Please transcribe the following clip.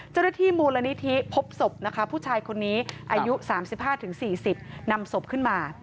เจ้าหน้าที่มูลนิธิพบศพนะคะผู้ชายคนนี้อายุ๓๕๔๐นำศพขึ้นมา